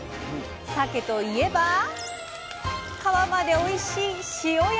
さけといえば皮までおいしい塩焼き。